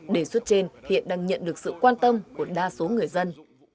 đề xuất trên hiện đang nhận được sự quan tâm của đa số người dân